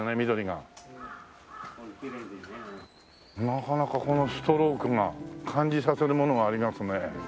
なかなかこのストロークが感じさせるものがありますね。